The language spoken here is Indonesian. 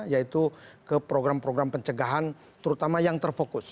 yaitu ke program program pencegahan terutama yang terfokus